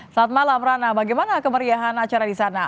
saat malam rana bagaimana kemeriahan acara di sana